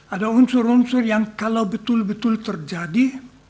ada unsur unsur yang kalau betul betul terjadi